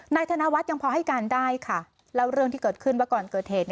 ธนวัฒน์ยังพอให้การได้ค่ะเล่าเรื่องที่เกิดขึ้นว่าก่อนเกิดเหตุ